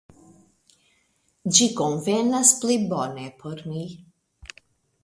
Ĝi konvenas pli bone por mi.